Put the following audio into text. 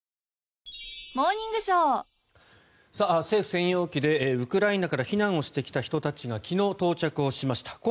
政府専用機でウクライナから避難をしてきた人たちが昨日到着しました。